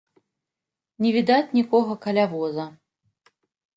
Не відаць нікога каля воза.